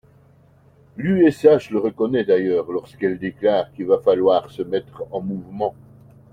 L’USH le reconnaît d’ailleurs lorsqu’elle déclare qu’il va falloir se mettre en mouvement.